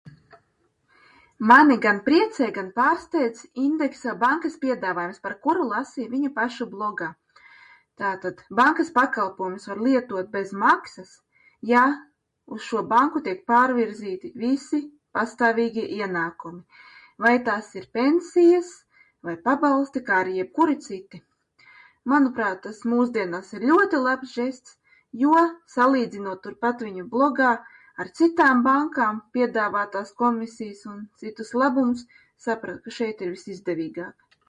Mani gan priecē, gan pārsteidz Indexo bankas piedāvājums, par kuru lasīju viņu pašu blogā. Tātad bankas pakalpojumus var lietot bez maksas, ja uz šo banku tiek pārvirzīti visi pastāvīgie ienākumi. Vai tās ir pensijas vai pabalsti, kā arī jebkuri citi. Manuprāt, tas mūsdienās ir ļoti labs žests, jo, salīdzinot turpat viņu blogā ar citām bankām piedāvātās komisijas un citus labumus, sapratu, ka šeit ir visizdevīgāk.